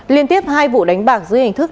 liên tiếp hai vụ đánh bạc dưới hình thức